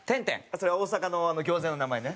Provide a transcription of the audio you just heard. それは大阪の餃子屋の名前ね。